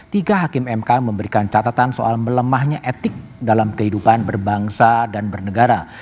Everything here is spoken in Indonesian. tiga hakim mk memberikan catatan soal melemahnya etik dalam kehidupan berbangsa dan bernegara